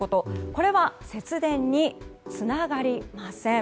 これは節電につながりません。